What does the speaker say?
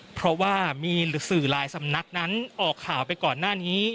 เพราะว่ามีหรือสื่อหลายสำนักนั้นออกข่าวไปก่อนหน้านี้